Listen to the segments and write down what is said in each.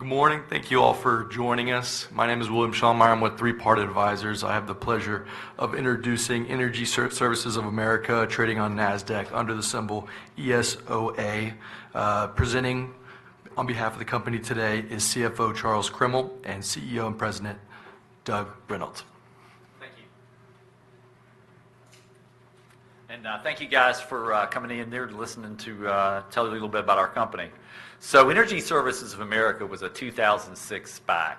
Good morning. Thank you all for joining us. My name is Will Schramm. I'm with Three Part Advisors. I have the pleasure of introducing Energy Services of America, trading on NASDAQ under the symbol ESOA. Presenting on behalf of the company today is CFO, Charles Crimmel, and CEO and President, Doug Reynolds. Thank you. And thank you guys for coming in here to listen to tell you a little bit about our company. So Energy Services of America was a 2006 SPAC,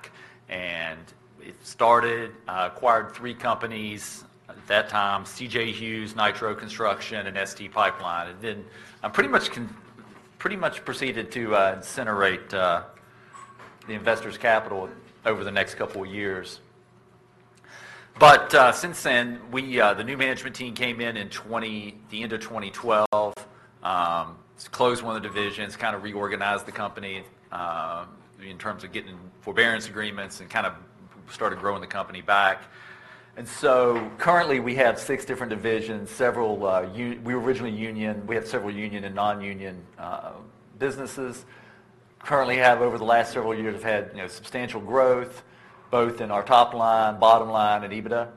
and it started acquired three companies at that time, CJ Hughes, Nitro Construction, and S.T. Pipeline, and then pretty much proceeded to incinerate the investors' capital over the next couple of years, but since then, we... The new management team came in in 2012, the end of 2012. Closed one of the divisions, kind of reorganized the company in terms of getting forbearance agreements and kind of started growing the company back, and so currently we have six different divisions. We were originally union. We have several union and non-union businesses. Currently have, over the last several years, have had, you know, substantial growth, both in our top line, bottom line, and EBITDA.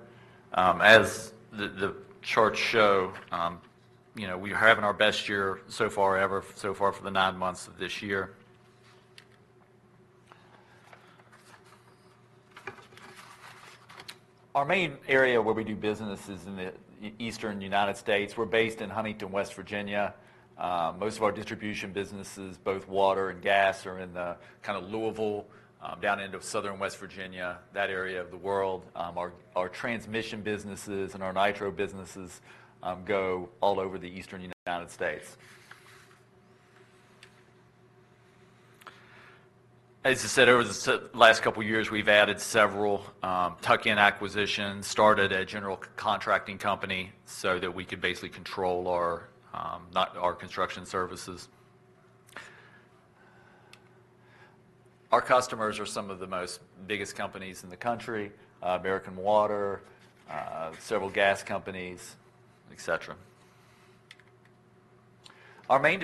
As the charts show, you know, we are having our best year so far ever, so far for the nine months of this year. Our main area where we do business is in the Eastern United States. We're based in Huntington, West Virginia. Most of our distribution businesses, both water and gas, are in the kind of Louisville, down end of southern West Virginia, that area of the world. Our transmission businesses and our Nitro businesses go all over the Eastern United States. As I said, over the last couple of years, we've added several tuck-in acquisitions, started a general contracting company so that we could basically control our, not our construction services. Our customers are some of the most biggest companies in the country, American Water, several gas companies, et cetera. Our main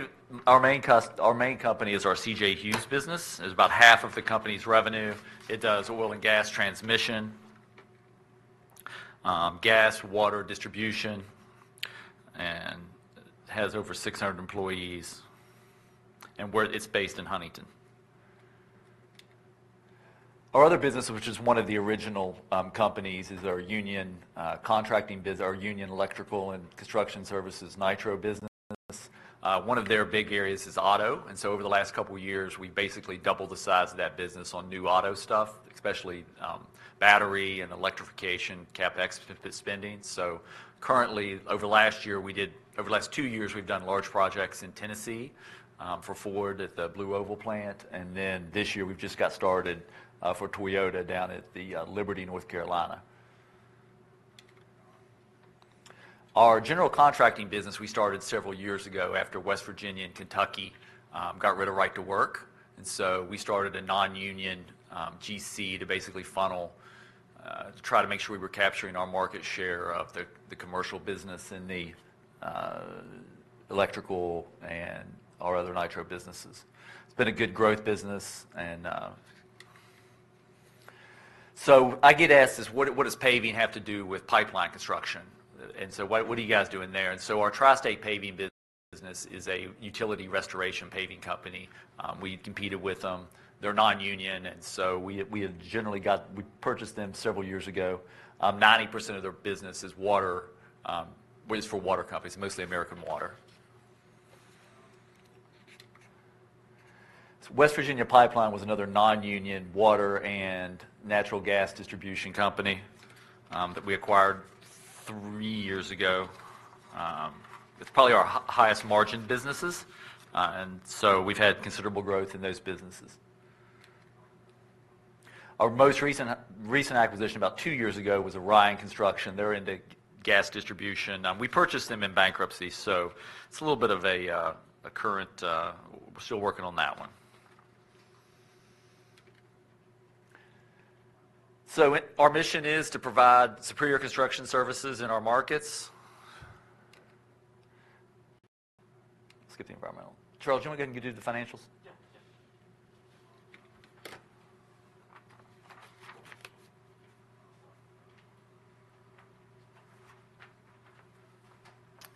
company is our CJ Hughes business. It's about half of the company's revenue. It does oil and gas transmission, gas, water distribution, and has over 600 employees, and it's based in Huntington. Our other business, which is one of the original companies, is our union electrical and construction services, Nitro Construction. One of their big areas is auto, and so over the last couple of years, we basically doubled the size of that business on new auto stuff, especially battery and electrification, CapEx spending. Currently, over the last year, we did... Over the last two years, we've done large projects in Tennessee for Ford at the Blue Oval plant, and then this year we've just got started for Toyota down at the Liberty, North Carolina. Our general contracting business, we started several years ago after West Virginia and Kentucky got rid of right to work, and so we started a non-union GC to basically funnel to try to make sure we were capturing our market share of the commercial business in the electrical and our other Nitro businesses. It's been a good growth business, and so I get asked this, "What does paving have to do with pipeline construction? And so what are you guys doing there?" And so our Tri-State Paving business is a utility restoration paving company. We competed with them. They're non-union, and so we purchased them several years ago. 90% of their business is water, well it's for water companies, mostly American Water. West Virginia Pipeline was another non-union water and natural gas distribution company that we acquired three years ago. It's probably our highest margin businesses, and so we've had considerable growth in those businesses. Our most recent acquisition, about two years ago, was Ryan Construction. They're into gas distribution. We purchased them in bankruptcy, so it's a little bit of a current. We're still working on that one. So our mission is to provide superior construction services in our markets. Skip the environmental. Charles, do you want to go ahead and do the financials?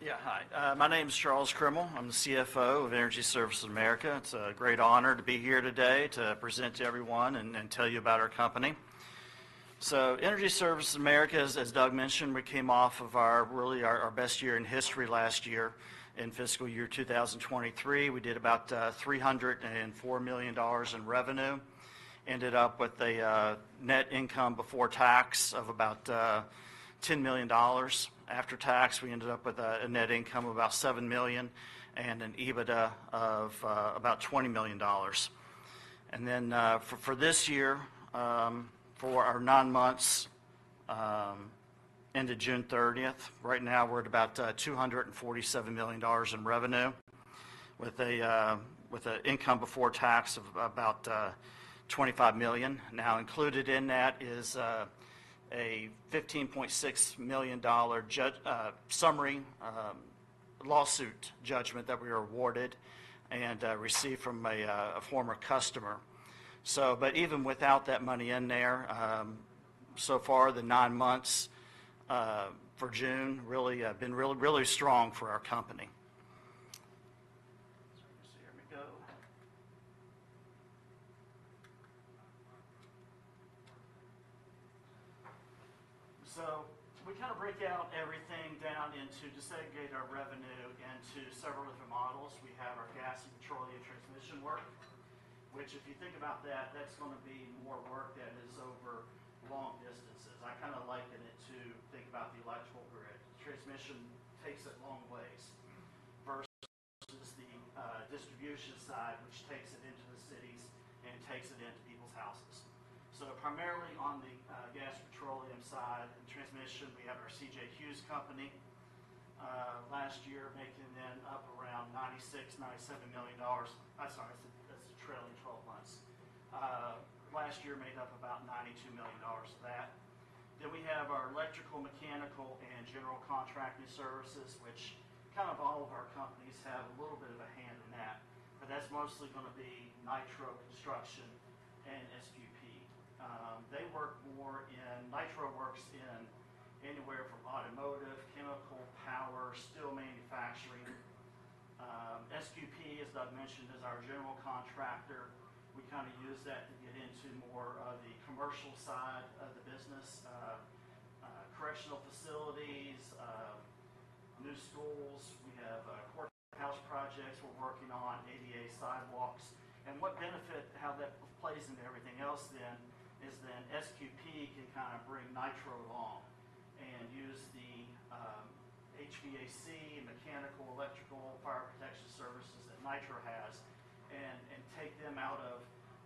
Yeah. Hi, my name is Charles Crimmel. I'm the CFO of Energy Services of America. It's a great honor to be here today to present to everyone and tell you about our company. Energy Services of America, as Doug mentioned, we came off of our really, our best year in history last year. In fiscal year 2023, we did about $304 million in revenue. Ended up with a net income before tax of about $10 million. After tax, we ended up with a net income of about $7 million and an EBITDA of about $20 million. And then, for this year, for our nine months end of June 30, right now we're at about $247 million in revenue, with income before tax of about $25 million. Now, included in that is a $15.6 million summary judgment that we were awarded and received from a former customer. But even without that money in there, so far, the nine months for June really been really, really strong for our company. So let me see. Here we go. So we kind of break out everything down to segregate our revenue into several different models. We have our gas and petroleum transmission work, which, if you think about that, that's gonna be more work that is over long distances. I kinda liken it to think about the electrical grid. Transmission takes it long ways versus the distribution side, which takes it into the cities and takes it into people's houses. So primarily on the gas, petroleum side and transmission, we have our CJ Hughes company, last year making up around $96-$97 million. I'm sorry, that's the trailing 12 months. Last year made up about $92 million of that. Then we have our electrical, mechanical, and general contracting services, which kind of all of our companies have a little bit of a hand in that, but that's mostly gonna be Nitro Construction and SQP. They work more in... Nitro works in anywhere from automotive, chemical, power, steel manufacturing. SQP, as Doug mentioned, is our general contractor. We kinda use that to get into more of the commercial side of the business, correctional facilities, new schools. We have courthouse projects we're working on, ADA sidewalks. What benefit, how that plays into everything else then, is then SQP can kind of bring Nitro along and use the HVAC, mechanical, electrical, fire protection services that Nitro has, and take them out of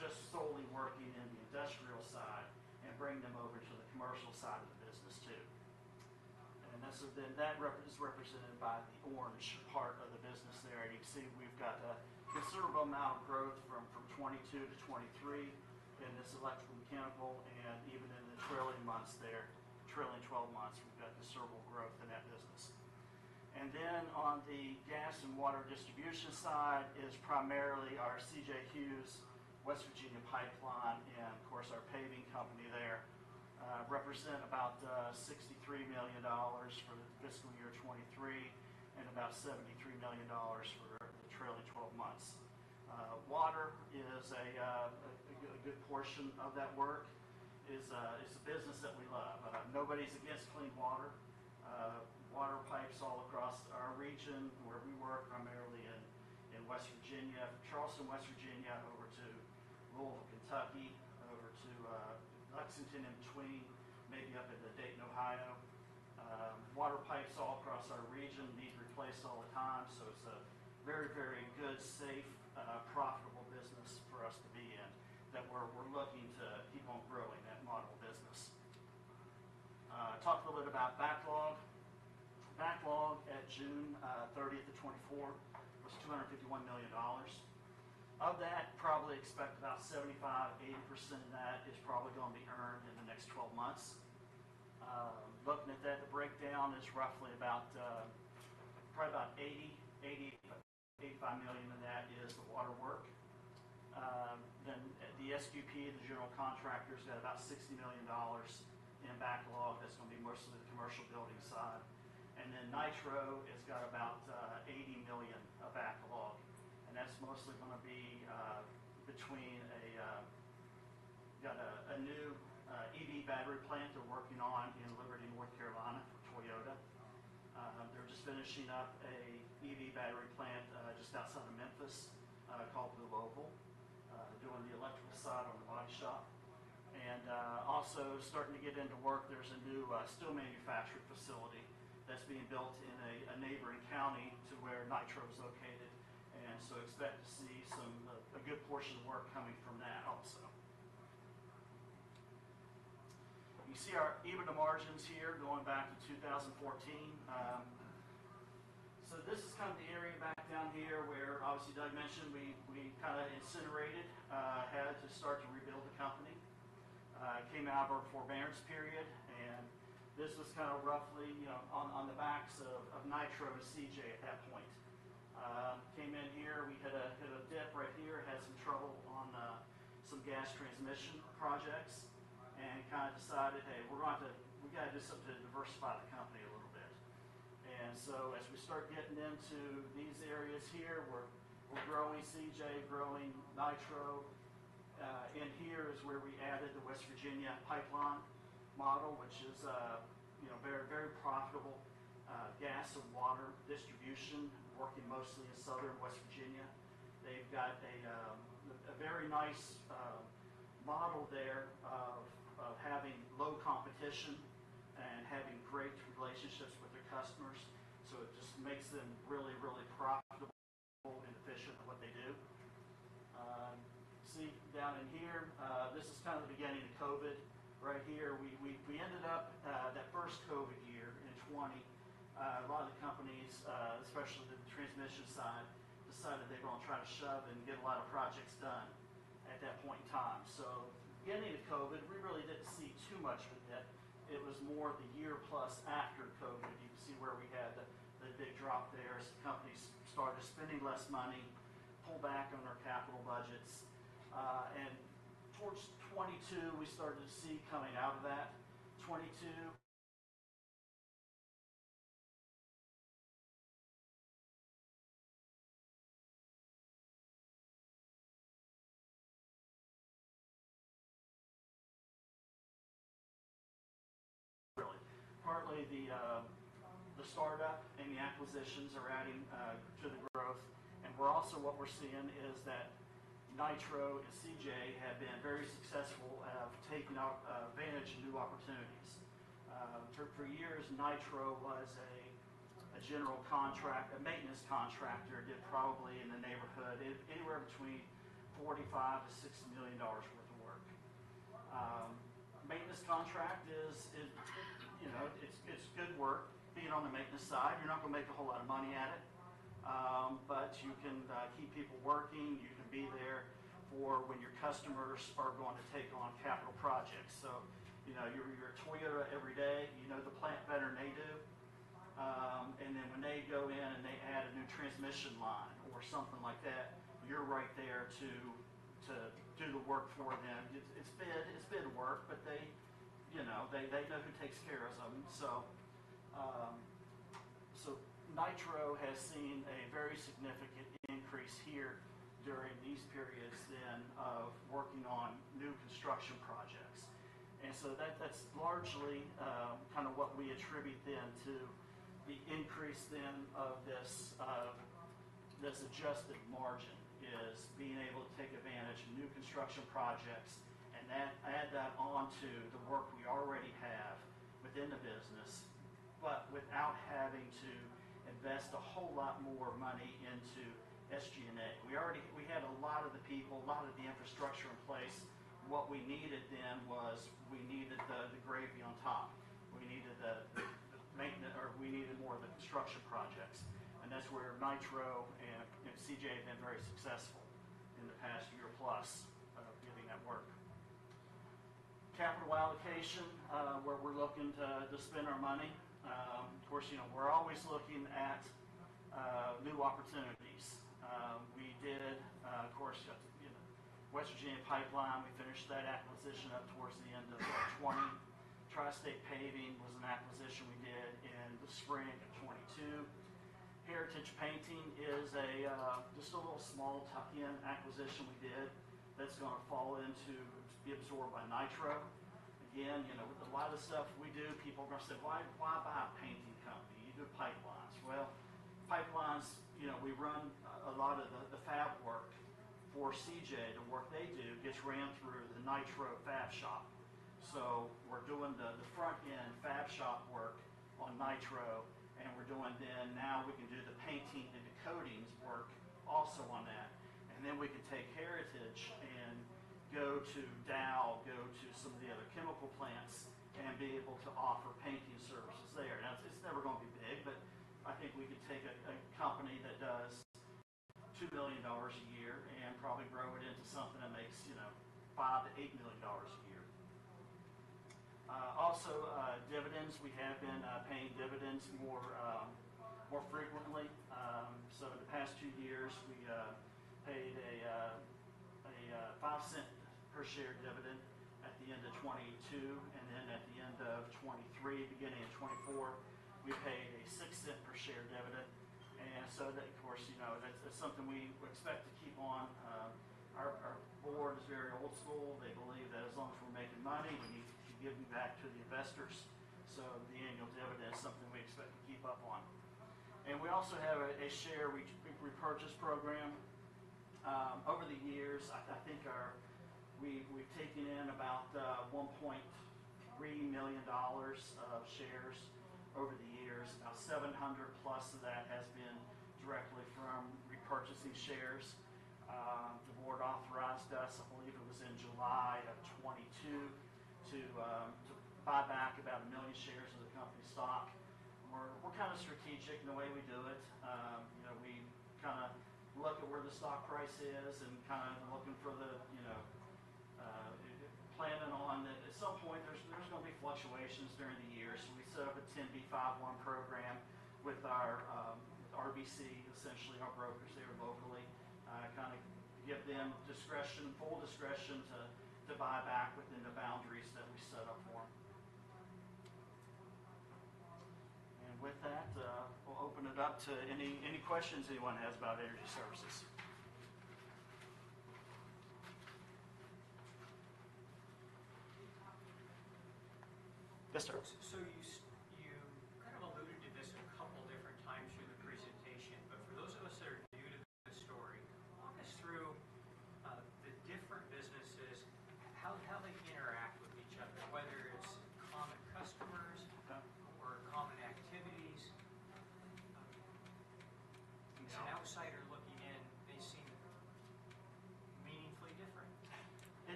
just solely working in the industrial side and bring them over to the commercial side of the business too. That's then represented by the orange part of the business there. You can see we've got a considerable amount of growth from 2022 to 2023 in this electrical, mechanical, and even in the trailing months there, trailing 12 months, we've got considerable growth in that business. Then on the gas and water distribution side is primarily our CJ Hughes, West Virginia Pipeline, and of course, our paving company there, represent about $63 million for the Fiscal Year 2023, and about $73 million for the trailing 12 months. Water is a good portion of that work. It's a business that we love. Nobody's against clean water. Water pipes all across our region, where we work primarily in West Virginia, Charleston, West Virginia, over to rural Kentucky, over to Lexington and between, maybe up into Dayton, Ohio. Water pipes all across our region need replaced all the time, so it's a very, very good, safe, profitable business for us to be in, that we're looking to keep on growing that model business. Talk a little bit about backlog. Backlog at June 30, 2024 was $251 million. Of that, probably expect about 75%-80% of that is probably gonna be earned in the next twelve months. Looking at that, the breakdown is roughly about probably about $80 million-$85 million, and that is the water work. Then the SQP, the general contractor, has got about $60 million in backlog. That's gonna be more so the commercial building side. And then Nitro has got about $80 million of backlog, and that's mostly gonna be a new EV battery plant they're working on in Liberty, North Carolina, for Toyota. They're just finishing up an EV battery plant just outside of Memphis called Blue Oval. Doing the electrical side on the body shop, and also starting to get into work. There's a new steel manufacturing facility that's being built in a neighboring county to where Nitro is located, and so expect to see some a good portion of work coming from that also. You see our EBITDA margins here going back to 2014. So this is kind of the area back down here where obviously, Doug mentioned we kinda incinerated, had to start to rebuild the company. Came out of our forbearance period, and this was kinda roughly, you know, on the backs of Nitro and CJ at that point. Came in here, we hit a dip right here, had some trouble on some gas transmission projects and kinda decided, hey, we're gonna have to... We gotta do something to diversify the company a little bit. And so as we start getting into these areas here, we're growing CJ, growing Nitro. In here is where we added the West Virginia Pipeline, which is you know very, very profitable, gas and water distribution, working mostly in southern West Virginia. They've got a very nice model there of having low competition and having great relationships with their customers. So it just makes them really, really profitable and efficient at what they do. See, down in here, this is kind of the beginning of COVID right here. We ended up that first COVID year in 2020 a lot of the companies especially... transmission side, decided they were going to try to shove and get a lot of projects done at that point in time. So getting into COVID, we really didn't see too much with it. It was more of the year plus after COVID, you can see where we had the big drop there as companies started spending less money, pull back on their capital budgets. And towards 2022, we started to see coming out of that, 2022. Really, partly the startup and the acquisitions are adding to the growth. And we're also, what we're seeing is that Nitro and CJ have been very successful at taking advantage of new opportunities. For years, Nitro was a general contractor, a maintenance contractor, did probably in the neighborhood, anywhere between $45 million-$6 million worth of work. Maintenance contract is, you know, it's good work. Being on the maintenance side, you're not going to make a whole lot of money at it, but you can keep people working. You can be there for when your customers are going to take on capital projects. So, you know, you're a Toyota every day, you know the plant better than they do. And then when they go in and they add a new transmission line or something like that, you're right there to do the work for them. It's been work, but they, you know, they know who takes care of them. So, Nitro has seen a very significant increase here during these periods then, of working on new construction projects. And so that's largely kind of what we attribute then to the increase then of this adjusted margin: being able to take advantage of new construction projects and then add that on to the work we already have within the business, but without having to invest a whole lot more money into SG&A. We already... We had a lot of the people, a lot of the infrastructure in place. What we needed then was we needed the gravy on top. We needed the maintenance, or we needed more of the construction projects, and that's where Nitro and CJ have been very successful in the past year, plus getting that work. Capital allocation, where we're looking to spend our money. Of course, you know, we're always looking at new opportunities. We did, of course, you know, West Virginia Pipeline, we finished that acquisition up towards the end of 2020. Tri-State Paving was an acquisition we did in the spring of 2022. Heritage Painting is a just a little small tuck-in acquisition we did that's gonna fall into, be absorbed by Nitro. Again, you know, with a lot of the stuff we do, people are gonna say: "Why, why buy a painting company? You do pipelines." Well, pipelines, you know, we run a lot of the fab work for CJ. The work they do gets ran through the Nitro fab shop. So we're doing the front-end fab shop work on Nitro, and we're doing... Then now we can do the painting and the coatings work also on that. And then we can take Heritage and go to Dow, go to some of the other chemical plants, and be able to offer painting services there. Now, it's never gonna be big, but I think we can take a company that does $2 billion a year and probably grow it into something that makes, you know, $5 million-$8 million a year. Also, dividends. We have been paying dividends more frequently. So the past two years, we paid a $0.05 per share dividend at the end of 2022, and then at the end of 2023, beginning of 2024, we paid a $0.06 per share dividend. And so that, of course, you know, that's something we expect to keep on. Our board is very old school. They believe that as long as we're making money, we need to give back to the investors. So the annual dividend is something we expect to keep up on. And we also have a share repurchase program. Over the years, I think we've taken in about $1.3 million of shares over the years. Now, 700+ of that has been directly from repurchasing shares. The board authorized us, I believe it was in July of 2022, to buy back about 1 million shares of the company stock. We're kind of strategic in the way we do it. You know, we kinda look at where the stock price is and kind of looking for the, you know, planning on that. At some point, there's gonna be fluctuations during the year. So we set up a 10b5-1 program with our RBC, essentially our brokers there locally. Kind of give them discretion, full discretion to buy back within the boundaries that we set up for them. And with that, we'll open it up to any questions anyone has about Energy Services.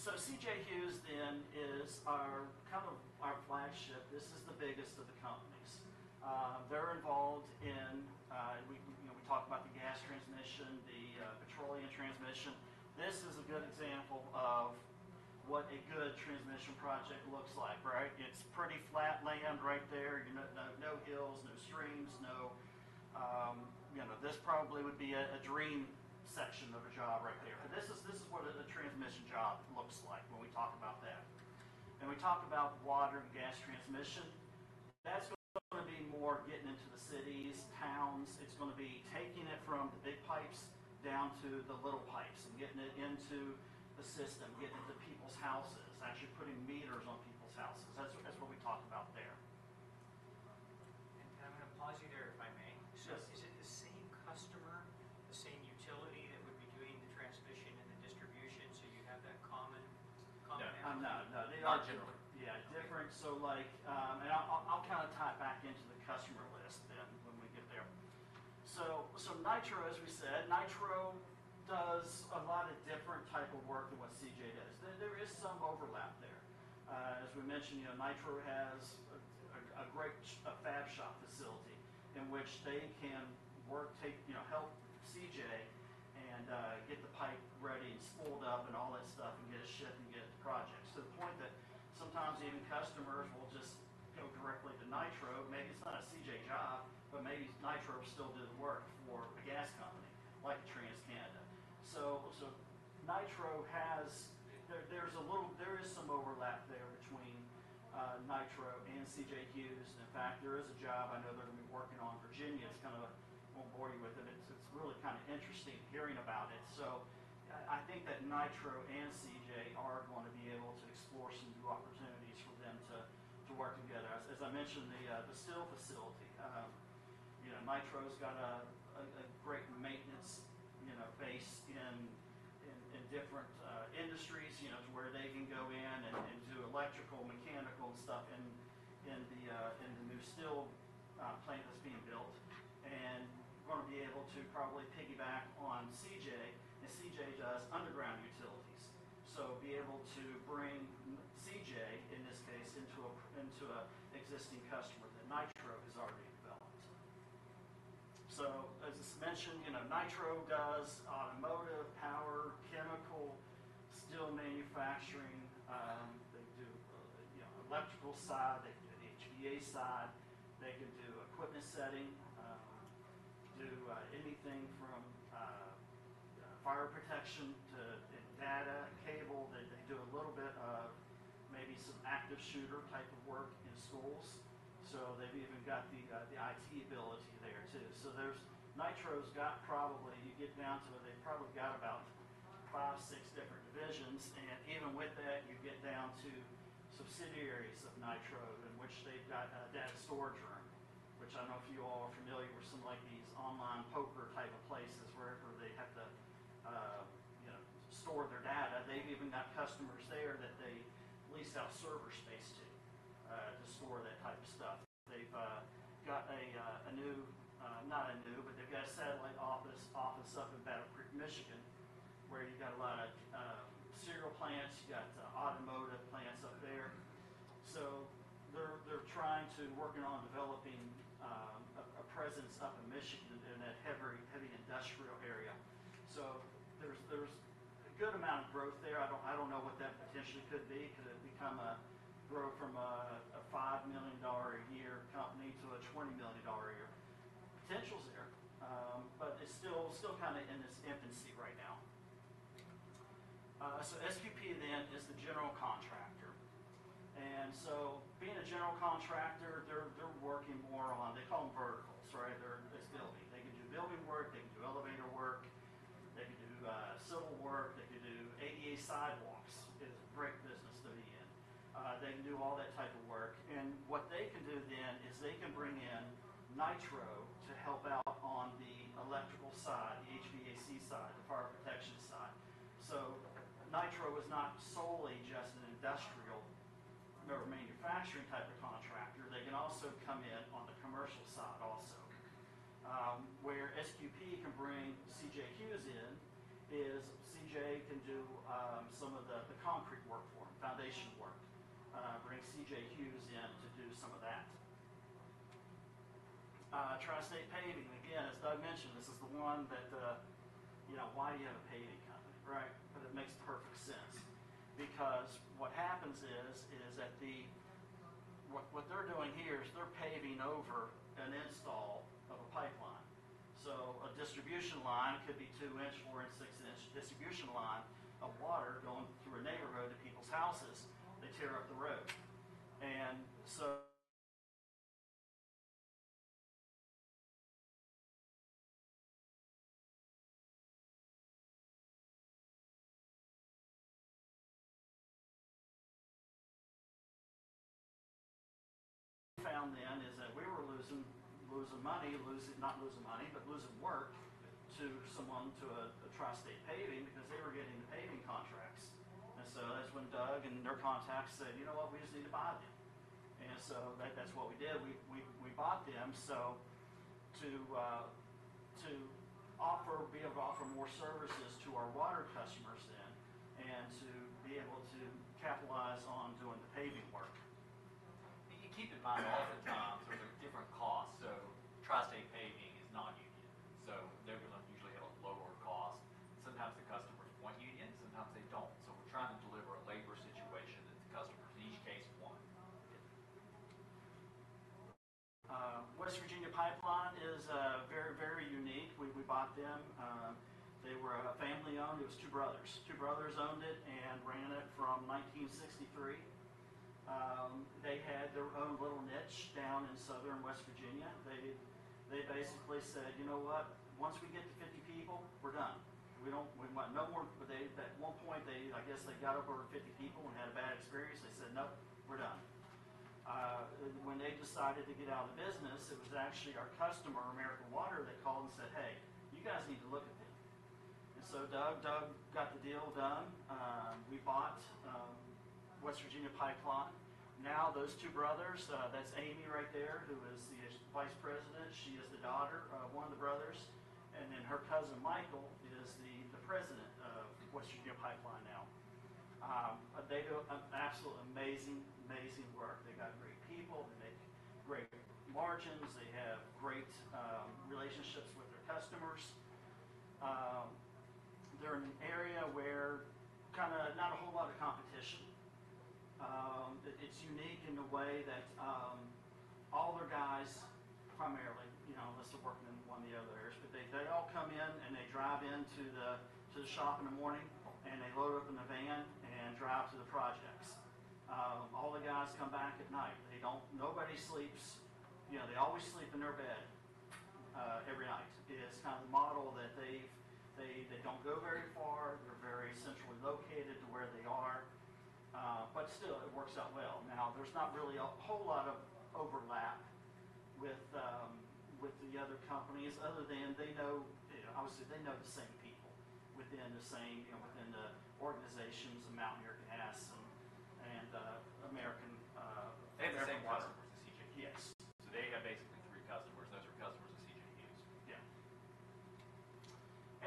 So CJ Hughes then is our kind of flagship. This is the biggest of the companies. They're involved in. You know, we talked about the gas transmission, the petroleum transmission. This is a good example of what a good transmission project looks like, right? It's pretty flat land right there. You know, no hills, no streams, no, you know, this probably would be a dream section of a job right there. This is what a transmission job looks like when we talk about that. When we talk about water and gas transmission, that's gonna be more getting into the cities, towns. It's gonna be taking it from the big pipes down to the little pipes and getting it into the system, getting it to people's houses, actually putting meters on people's houses. That's, that's what we talked about there. Can I pause you there, if I may? Yes. So is it the same customer, the same utility that would be doing the transmission and the distribution, so you have that common, common area? No, no. Not generally. Yeah, different. So like, and I'll kind of tie it back into the customer list then when we get there. So Nitro, as we said, Nitro does a lot of different type of work than what CJ does. There is some overlap there. As we mentioned, you know, Nitro has a great fab shop facility in which they can, you know, help CJ and get the pipe ready and spooled up and all that stuff, and get it shipped and get it to projects. To the point that sometimes even customers will just go directly to Nitro. Maybe it's not a CJ job, but maybe Nitro will still do the work for a gas company like TransCanada. So Nitro has some overlap there between Nitro and CJ Hughes. In fact, there is a job I know they're gonna be working on in Virginia. I won't bore you with it. It's really kind of interesting hearing about it. I think that Nitro and CJ are going to be able to explore some new opportunities for them to work together. As I mentioned, the steel facility, you know, Nitro's got a great maintenance, you know, base in different industries, you know, to where they can go in and do electrical, mechanical stuff in the new steel plant that's being built. We're gonna be able to probably piggyback on CJ, as CJ does underground utilities. So be able to bring CJ, in this case, into an existing customer that Nitro has already developed. So as mentioned, you know, Nitro does automotive, power, chemical, steel manufacturing. They do, you know, electrical side, they do the HVAC side, they can do equipment setting, do anything from fire protection to data and cable. They do a little bit of maybe some active shooter type of work in schools, so they've even got the the IT ability there, too. So there's Nitro's got probably, you get down to it, they've probably got about five, six different divisions, and even with that, you get down to subsidiaries of Nitro, in which they've got a data storage room. Which I don't know if you all are familiar with some, like these online poker type of places, wherever they have to, you know, store their data. They've even got customers there that they lease out server space to, to store that type of stuff. They've got a new, not a new, but they've got a satellite office up in Battle Creek, Michigan, where you've got a lot of cereal plants, you've got automotive plants up there. So they're trying to working on developing a presence up in Michigan in that heavy industrial area. So there's a good amount of growth there. I don't know what that potentially could be. Could it grow from a $5 million a year company to a $20 million a year? Potential's there, but it's still kind of in its infancy right now. So SQP then is the general contractor. And so being a general contractor, they're working more on, they call them verticals, right? They're. It's building. They can do building work, they can do elevator work, they can do civil work, they can do ADA sidewalks. It's a great business to be in. They can do all that type of work, and what they can do then is they can bring in Nitro to help out on the electrical side, the HVAC side, the fire protection side. So Nitro is not solely just an industrial or manufacturing type of contractor. They can also come in on the commercial side also. Where SQP can bring CJ Hughes in, is CJ can do some of the concrete work for them, foundation work, bring CJ Hughes in to do some of that. Tri-State Paving, again, as Doug mentioned, this is the one that, you know, why do you have a paving company, right? But it makes perfect sense, because what happens is that what they're doing here is they're paving over an installation of a pipeline. So a distribution line could be two-inch, four-inch, six-inch distribution line of water going through a neighborhood to people's houses. They tear up the road. And so we found that we were losing money, not losing money, but losing work to a Tri-State Paving, because they were getting the paving contracts. And so that's when Doug and their contacts said: "You know what? We just need to buy them." And so that's what we did. We bought them, so to be able to offer more services to our water customers than, and to be able to capitalize on doing the paving work. You keep in mind, oftentimes, there are different costs. So Tri-State Paving is non-union, so they're gonna usually have a lower cost. Sometimes the customers want union, sometimes they don't. So we're trying to deliver a labor situation that the customers in each case want. West Virginia Pipeline is very unique. We bought them. They were family-owned. It was two brothers. Two brothers owned it and ran it from 1963. They had their own little niche down in southern West Virginia. They basically said, "You know what? Once we get to fifty people, we're done. We don't. We want no more." But they, at one point, I guess they got over fifty people and had a bad experience. They said, "Nope, we're done." When they decided to get out of the business, it was actually our customer, American Water, that called and said, "Hey, you guys need to look at this." And so Doug got the deal done. We bought West Virginia Pipeline. Now, those two brothers, that's Amy right there, who is the vice president. She is the daughter of one of the brothers, and then her cousin, Michael, is the president of West Virginia Pipeline now. They do an absolute amazing work. They got great people. They make great margins. They have great relationships with their customers. They're in an area where kinda not a whole lot of competition. It's unique in the way that all their guys, primarily, you know, unless they're working in one of the other areas, but they all come in, and they drive into the shop in the morning, and they load up in the van and drive to the projects. All the guys come back at night. They don't. Nobody sleeps. You know, they always sleep in their bed every night. It's kind of the model that they've, they don't go very far. They're very centrally located to where they are, but still, it works out well. Now, there's not really a whole lot of overlap with the other companies, other than they know, obviously, they know the same people within the same, you know, within the organizations, the Mountaineer Gas, and American Water. They have the same customers as CJ Hughes. Yes. So they have basically three customers. Those are customers of CJ Hughes. Yeah.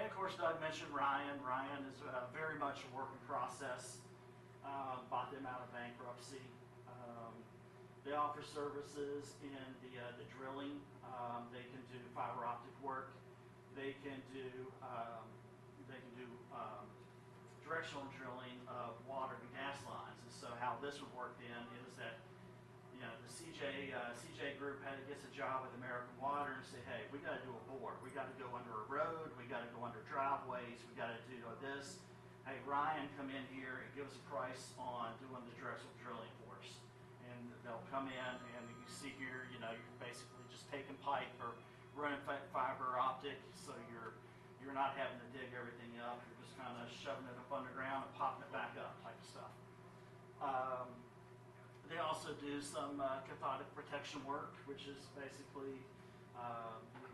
And of course, Doug mentioned Ryan. Ryan is very much a work in process. Bought them out of bankruptcy. They offer services in the drilling. They can do fiber optic work. They can do directional drilling of water and gas lines. And so how this would work then is that, you know, the CJ Hughes had to get a job with American Water and say, "Hey, we gotta do a bore. We gotta go under a road. We gotta go under driveways. We gotta do this. Hey, Ryan, come in here and give us a price on doing the directional drilling for us." And they'll come in, and you can see here, you know, you're basically just taking pipe or running fiber optic, so you're not having to dig everything up. You're just kinda shoving it up underground and popping it back up type of stuff. They also do some cathodic protection work, which is basically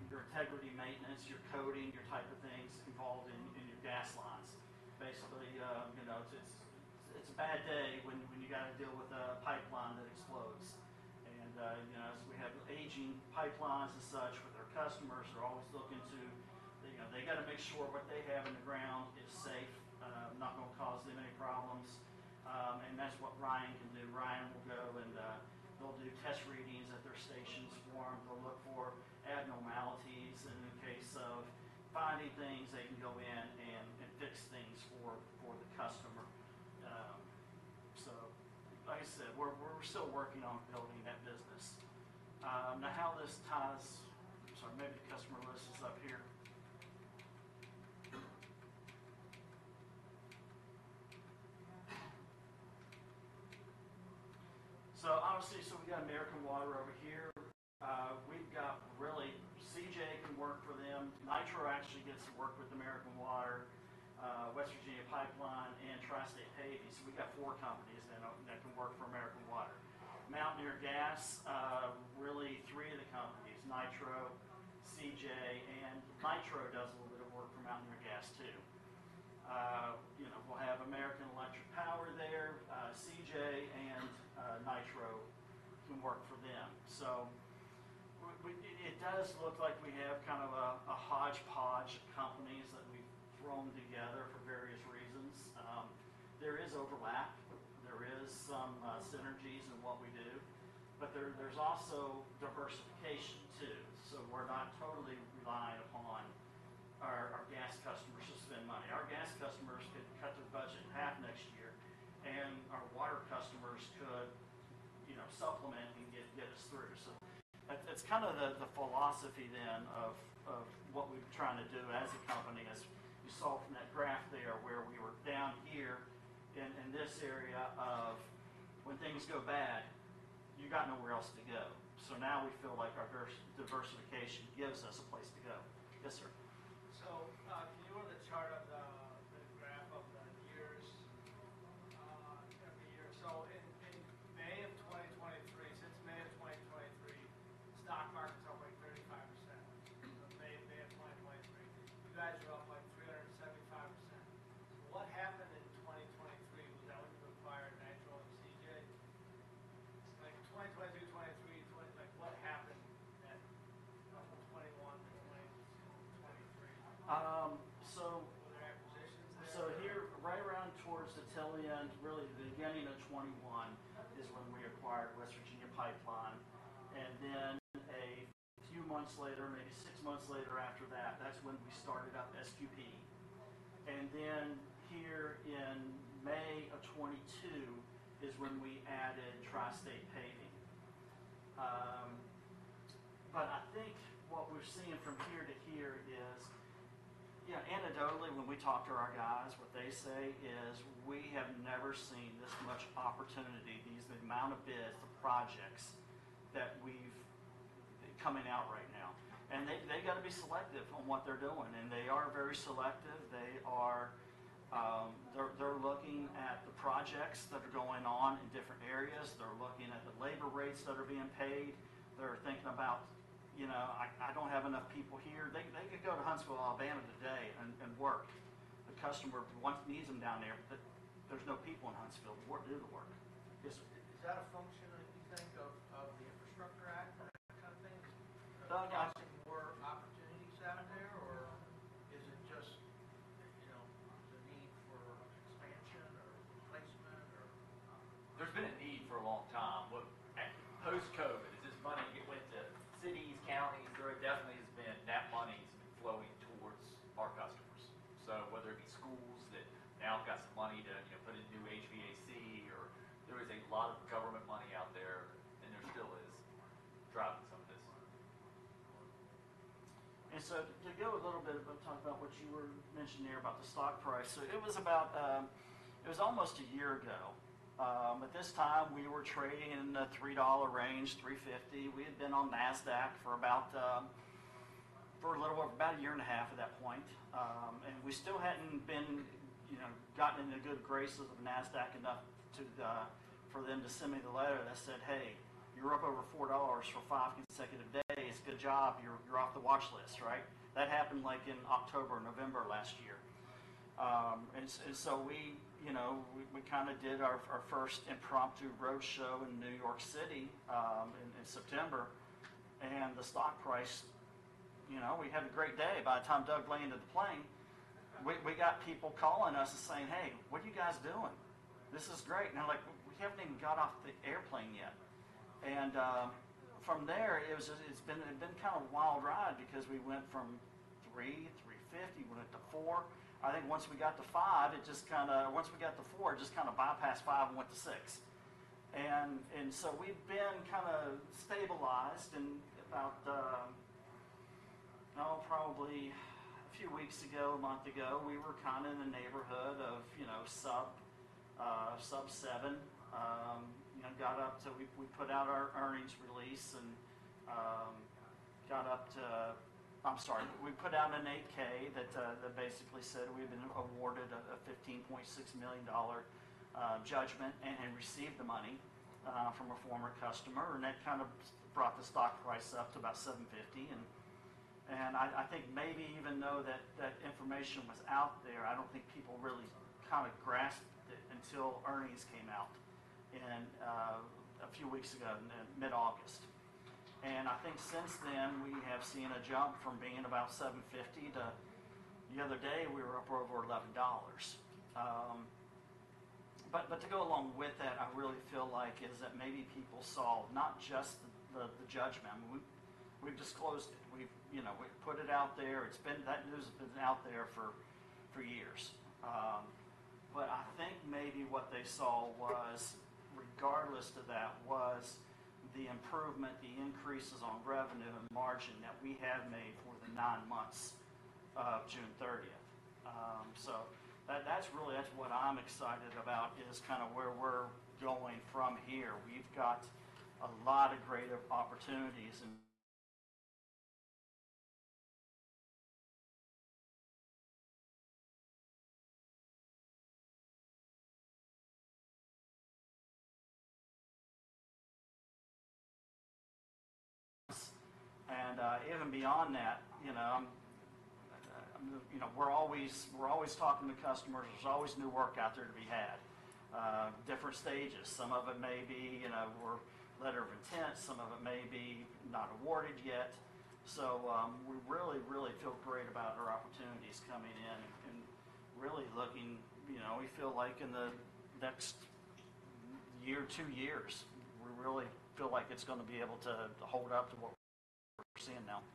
your integrity maintenance, your coating, your type of things involved in your gas lines. Basically, you know, it's a bad day when you gotta deal with a pipeline that explodes. And you know, as we have aging pipelines and such with our customers, they're always looking to, you know, they gotta make sure what they have in the ground is safe, not gonna cause them any problems. And that's what Ryan can do. Ryan will go and they'll do test readings at their stations for them. They'll look for abnormalities, and in the case of finding things, they can go in and fix things for the customer. So like I said, we're still working on building that business. Now, how this ties... Sorry, maybe the customer list is up here. So obviously, so we've got American Water over here. We've got really, CJ can work for them. Nitro actually gets to work with American Water, West Virginia Pipeline, and Tri-State Paving. So we've got four companies that can work for American Water. Mountaineer Gas, really three of the companies, Nitro, CJ, and Nitro does a little bit of work for Mountaineer Gas, too. You know, we'll have American Electric Power there. CJ and Nitro can work for them. So it does look like we have kind of a hodgepodge of companies that we've thrown together for various reasons. There is overlap. There is some synergies in what we do, but there's also diversification, too. So we're not totally reliant upon our gas customers to spend money. Our gas customers could cut their budget in half next year, and our water customers could, you know, supplement and get us through. So that's kind of the philosophy then of what we've been trying to do as a company, as you saw from that graph there, where we were down here in this area of when things go bad, you got nowhere else to go. So now we feel like our diversification gives us a place to go. Yes, sir? Can you go to the chart of the graph of the years, every year? In May of 2023. ...2023, was that when you acquired Nitro and CJ? Like, 2022, 2023, like, what happened at, from 2021 to 2023? Um, so- Were there acquisitions that happened? So here, right around towards the tail end, really the beginning of 2021, is when we acquired West Virginia Pipeline. And then a few months later, maybe six months later after that, that's when we started up SQP. And then here in May of 2022, is when we added Tri-State Paving. But I think what we're seeing from here to here is. You know, anecdotally, when we talk to our guys, what they say is: "We have never seen this much opportunity, these amount of bids, the projects that are coming out right now." And they got to be selective on what they're doing, and they are very selective. They are looking at the projects that are going on in different areas. They're looking at the labor rates that are being paid. They're thinking about, you know, "I don't have enough people here." They could go to Huntsville, Alabama, today and work. The customer wants, needs them down there, but there's no people in Huntsville to work. Yes, sir. Is that a function that you think of, of the Infrastructure Act, that kind of thing? No, I- More opportunities out there, or is it just, you know, the need for expansion or replacement, or...? There's been a need for a long time, but post-COVID, it's just money went to cities, counties. There definitely has been... That money's been flowing towards our customers. So whether it be schools that now have got some money to, you know, put in new HVAC or there is a lot of government money out there, and there still is, driving some of this. To go a little bit and talk about what you were mentioning there about the stock price. So it was about, it was almost a year ago, at this time, we were trading in the $3 range, $3.50. We had been on NASDAQ for about, for a little over about a year and a half at that point. And we still hadn't been, you know, gotten into the good graces of NASDAQ enough to, for them to send me the letter that said, "Hey, you're up over $4 for five consecutive days. Good job. You're off the watch list," right? That happened, like, in October or November last year. And so we, you know, we kinda did our first impromptu roadshow in New York City, in September, and the stock price, you know, we had a great day. By the time Doug landed the plane, we got people calling us and saying: "Hey, what are you guys doing? This is great." And I'm like: "We haven't even got off the airplane yet." And from there, it's been kind of a wild ride because we went from $3, $3.50, went up to $4. Once we got to $4, it just kinda bypassed $5 and went to $6. And so we've been kinda stabilized in about, probably a few weeks ago, a month ago, we were kinda in the neighborhood of, you know, sub seven. You know, got up till we put out our earnings release and got up to... I'm sorry, we put out an 8-K that basically said we had been awarded a $15.6 million judgment and had received the money from a former customer, and that kind of brought the stock price up to about $7.50. And I think maybe even though that information was out there, I don't think people really kind of grasped it until earnings came out a few weeks ago, in mid-August. And I think since then, we have seen a jump from being about $7.50 to the other day, we were up over $11. But to go along with that, I really feel like is that maybe people saw not just the judgment. I mean, we've disclosed it, you know, we've put it out there. It's been, that news has been out there for years. But I think maybe what they saw was, regardless of that, was the improvement, the increases on revenue and margin that we have made for the nine months of June thirtieth. So that's really what I'm excited about, is kind of where we're going from here. We've got a lot of great opportunities. And you know, we're always talking to customers. There's always new work out there to be had, different stages. Some of it may be, you know, we're letter of intent, some of it may be not awarded yet. So, we really, really feel great about our opportunities coming in and really looking... You know, we feel like in the next year, two years, we really feel like it's gonna be able to hold up to what we're seeing now.